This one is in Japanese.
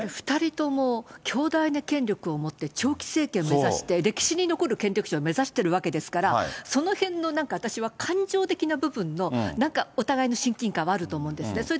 ２人とも強大な権力を持って長期政権を目指して、歴史に残る権力者を目指しているわけですから、そのへんのなんか私は感情的な部分のなんか、お互いに親近感はあると思うんですね。